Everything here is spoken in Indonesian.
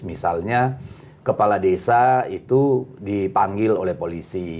misalnya kepala desa itu dipanggil oleh polisi